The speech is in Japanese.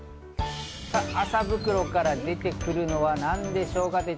麻袋から出てくるのは何でしょうか？